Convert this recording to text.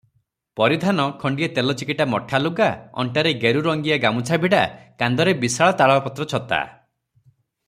ପରିଧାନ ଖଣ୍ତିଏ ତେଲ ଚିକିଟା ମଠାଲୁଗା, ଅଣ୍ଟାରେ ଗେରୁରଙ୍ଗିଆ ଗାମୁଛାଭିଡ଼ା, କାନ୍ଧରେ ବିଶାଳ ତାଳପତ୍ର ଛତା ।